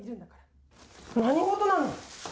何事なの？